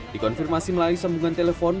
dikonfirmasi melalui sambungan telepon